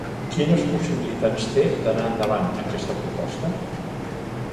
Quines possibilitats té d’anar endavant, aquesta proposta?